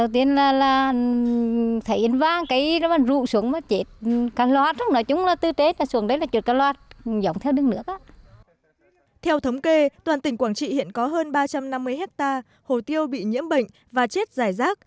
theo thống kê toàn tỉnh quảng trị hiện có hơn ba trăm năm mươi hectare hồ tiêu bị nhiễm bệnh và chết giải rác